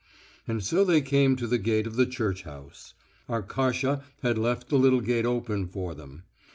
And so they came to the gate of the church house. Arkasha had left the little gate open for them.